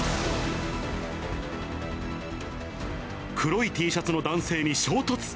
黒いＴシャツの男性に衝突。